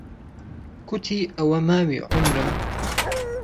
کوتی ئهوه ماوی عومرم